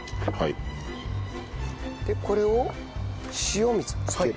でこれを塩水に漬ける。